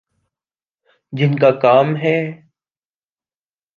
جن کا کام ہے۔